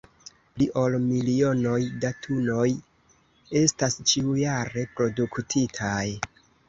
Pli ol milionoj da tunoj estas ĉiujare produktitaj.